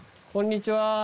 こんにちは。